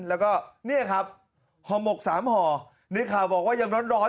แล้วก็นี่แหละครับหอมมกสามห่อนี่ค่ะบอกว่ายังร้อนร้อน